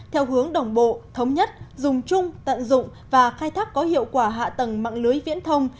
theo hướng đồng bộ thống nhất dùng chung tận dụng và khai thác có hiệu quả hạ tầng mạng lưới viễn thông